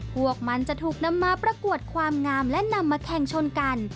พวกมันจะถูกนำมาประกวดความงามและนำมาแข่งชนกัน